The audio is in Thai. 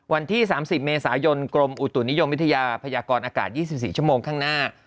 วันที่๓๐เมษายนกรมอุตุนิยมวิทยาพยากรอากาศ๒๔ชั่วโมงข้างหน้า